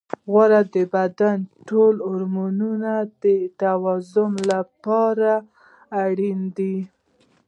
غوړې د بدن د ټولو هورمونونو د توازن لپاره اړینې دي.